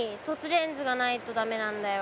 レンズがないと駄目なんだよ。